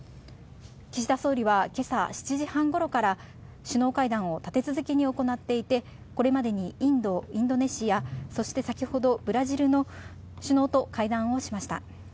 岸田総理はけさ７時半ごろから、首脳会談を立て続けに行っていて、これまでにインド、インドネシア、そして先ほどブラジルの首脳と会談をしました。